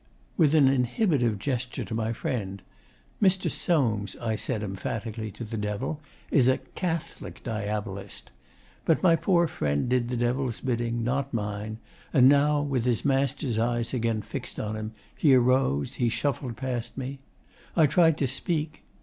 With an inhibitive gesture to my friend, 'Mr. Soames,' I said emphatically to the Devil, 'is a CATHOLIC Diabolist'; but my poor friend did the Devil's bidding, not mine; and now, with his master's eyes again fixed on him, he arose, he shuffled past me. I tried to speak.